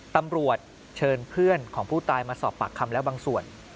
ตำรวจเชิญเพื่อนของผู้ตายมาสอบปากคำแล้วบางส่วน